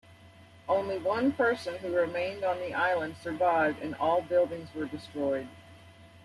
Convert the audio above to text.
Only one person who remained on the island survived, and all buildings were destroyed.